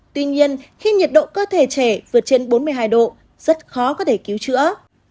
tuy nhiên khi nhiệt độ cơ thể trẻ vượt trên bốn mươi hai độ rất khó có thể cứu chữa